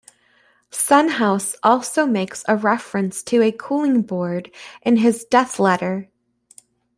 Son House also makes a reference to a cooling board in his "Death Letter".